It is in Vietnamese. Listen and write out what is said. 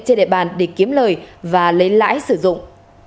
trên địa bàn để kiếm lời và lấy lãi sử dụng